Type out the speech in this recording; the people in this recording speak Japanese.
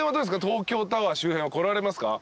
東京タワー周辺は来られますか？